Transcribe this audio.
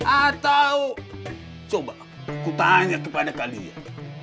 atau coba ku tanya kepada kalian